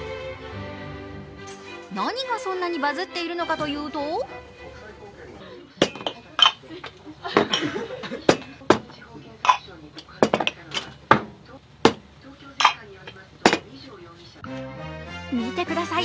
何がそんなにバズっているのかというと見てください